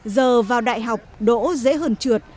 giờ vào đại học đỗ dễ hờn trượt